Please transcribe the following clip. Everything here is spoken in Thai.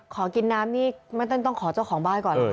ขอกินน้ำนี่ไม่ต้องขอเจ้าของบ้านก่อนเหรอ